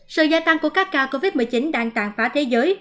sự gia tăng của các ca covid một mươi chín đang tàn phá thế giới